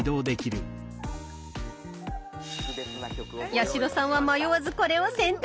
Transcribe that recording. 八代さんは迷わずこれを選択。」）